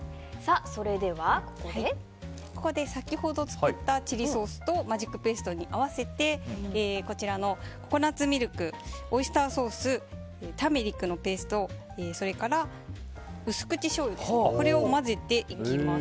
ここで、先ほど作ったチリソースとマジックペーストに合わせてこちらのココナツミルクオイスターソースターメリックのペーストそれから、薄口しょうゆを混ぜていきます。